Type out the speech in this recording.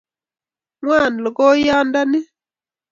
Ngwan lokoiyandani